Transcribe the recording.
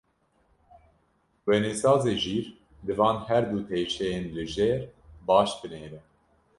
Wênesazê jîr, li van her du teşeyên li jêr baş binêre.